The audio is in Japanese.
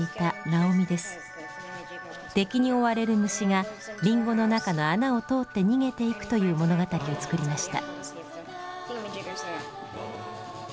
敵に追われる虫がリンゴの中の穴を通って逃げていくという物語を作りました。